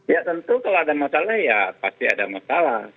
ya tentu kalau ada masalah ya pasti ada masalah